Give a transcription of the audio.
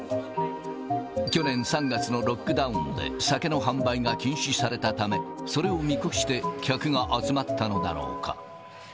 去年３月のロックダウンで酒の販売が禁止されたため、それを見越して客が集まったのだろうか。